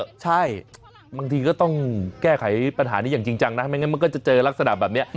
ใช่บางทีก็ต้องแก้ไขปัญหานี้อย่างจริงจังนะไม่งั้นมันก็จะเจอลักษณะแบบนี้